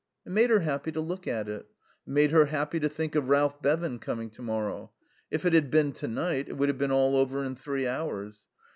It made her happy to look at it. It made her happy to think of Ralph Bevan coming to morrow. If it had been to night it would have been all over in three hours.